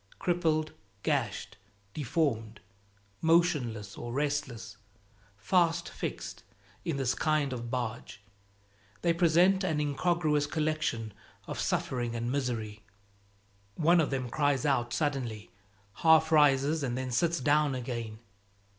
Crippled, gashed, deformed, motionless or restless, fast fixed in this kind of barge, they present an incongruous collection of suffering and misery. One of them cries out suddenly, half rises, and then sits down again.